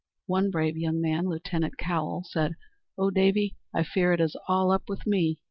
One brave young man, Lieutenant Cowell, said, "O, Davy, I fear it is all up with me!"